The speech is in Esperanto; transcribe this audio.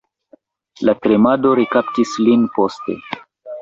La tremado rekaptis lin poste.